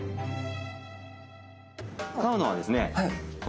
使うのはですね